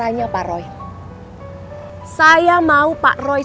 ini brief dari